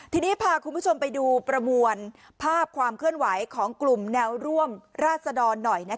ทีนี้พาคุณผู้ชมไปดูประมวลภาพความเคลื่อนไหวของกลุ่มแนวร่วมราศดรหน่อย